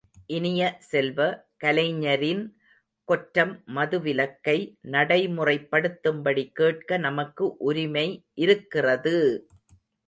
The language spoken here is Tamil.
இனிய செல்வ, கலைஞரின் கொற்றம் மதுவிலக்கை நடைமுறைப்படுத்தும்படி கேட்க நமக்கு உரிமை இருக்கிறது!